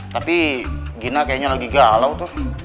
tapi gina kayaknya lagi galau tuh